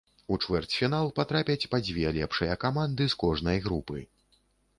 У чвэрцьфінал патрапяць па дзве лепшыя каманды з кожнай групы.